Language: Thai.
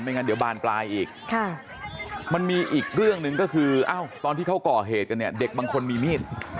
งั้นเดี๋ยวบานปลายอีกมันมีอีกเรื่องหนึ่งก็คือตอนที่เขาก่อเหตุกันเนี่ยเด็กบางคนมีมีด